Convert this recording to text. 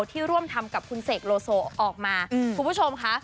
ที่ร่วมทำกับคุณเสกโลโซออกมาคุณผู้ชมค่ะ